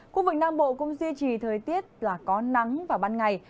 khu vực nam bộ cũng duy trì thời tiết là có nắng vào ban ngày